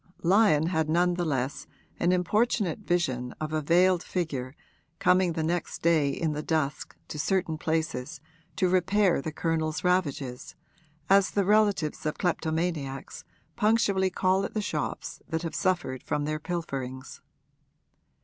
Lyon had none the less an importunate vision of a veiled figure coming the next day in the dusk to certain places to repair the Colonel's ravages, as the relatives of kleptomaniacs punctually call at the shops that have suffered from their pilferings.